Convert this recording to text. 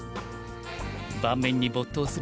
盤面に没頭する